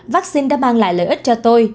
vaccine đã mang lại lợi ích cho tôi